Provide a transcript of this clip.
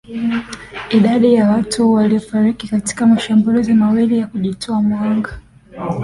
dadi ya watu waliofariki katika mashambulizi mawili ya kujitoa mhanga